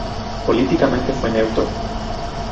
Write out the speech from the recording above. Políticamente fue neutro.